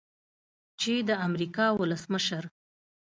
چې د امریکا ولسمشر